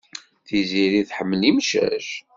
Tiziri tḥemmel imcac.